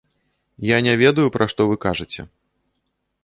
Я не ведаю, пра што вы кажаце.